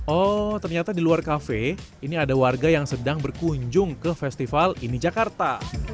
oh ternyata di luar kafe ini ada warga yang sedang berkunjung ke festival ini jakarta